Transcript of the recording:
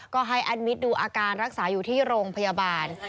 ก็ให้แอดมิตรดูอาการรักษาอยู่ที่โรงพยาบาล